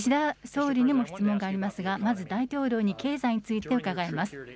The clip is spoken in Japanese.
総理にも質問がありますが、まず大統領に経済について伺います。